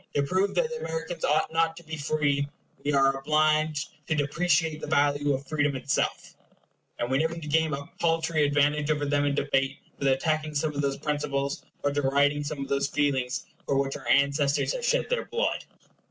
To prove that the Americans ought not to be free, we are obliged to depreciate the value of freedom itself; and we never seem to gain a paltry advantage over them in debate without attacking some of those principles, or deriding some of those feelings, for which our ancestors have shed their blood.